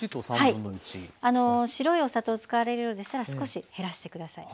あの白いお砂糖使われるようでしたら少し減らしてください。